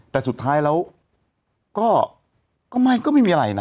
แต่สุดท้ายแล้วก็ไม่มีอะไรนะ